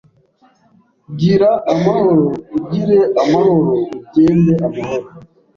gira amahoro, ugire amahoro, ugende amahoro;